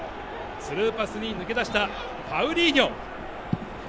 スルーパスに抜け出したパウリーニョ。